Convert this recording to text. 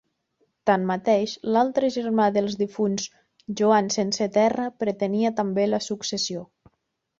Tanmateix, l'altre germà dels difunts Joan sense Terra pretenia també la successió.